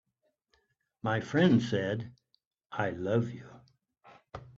My friend said: "I love you."